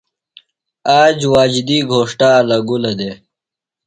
آج واجدی گھوݜٹہ الہ گُلہ دےۡ۔